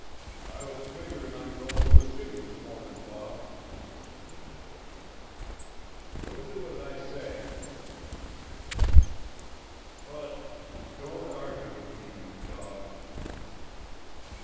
"I was figurin' on goin' to the city this mornin', boss," one of the men spoke up. "You'll do as I say!" the masked man cried. "But " "Don't argue with me, you dog!"